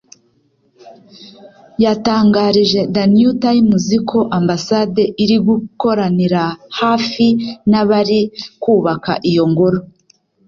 yatangarije The New Times ko Ambasade iri gukoranira hafi n’abari kubaka iyo ngoro